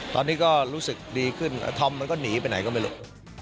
ตอนนี้ก็รู้สึกดีขึ้นธอมมันก็หนีไปไหนก็ไม่รู้